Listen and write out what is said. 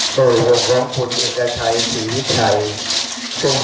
ลำลงมหาสนุกตัวโหยวงคุณอึงกะไฉสีใจส้ม